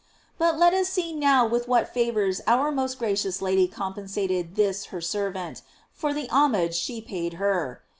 But let us see now with what favors our most grateful Lady compensated this her servant, for the homage she paid her.